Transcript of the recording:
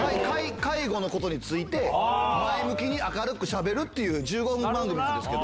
介護のことについて、前向きに明るくしゃべるっていう１５分番組なんですけど。